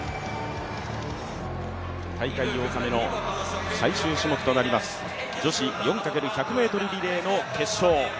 大会８日目の最終種目となります女子４×１００ｍリレーの決勝。